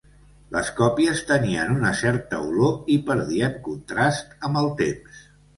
Les còpies tenien una certa olor i perdien contrast amb el temps.